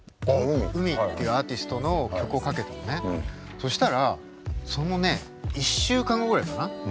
そしたらそのね１週間後ぐらいかな。